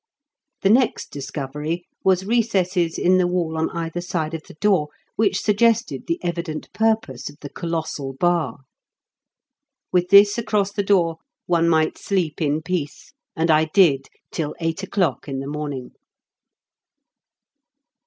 The next discovery was recesses in the wall on either side of the door, which suggested the evident purpose of the colossal bar. With this across the door one might sleep in peace, and I did till eight o'clock in the morning.